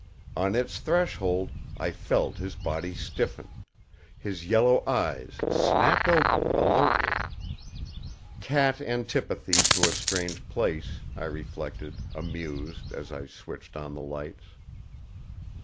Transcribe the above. On its threshold I felt his body stiffen; his yellow eyes snapped open alertly. Cat antipathy to a strange place, I reflected, amused, as I switched on the lights.